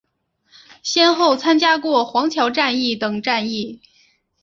先后参加过黄桥战役等战役。